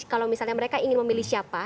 kalau misalnya mereka ingin memilih siapa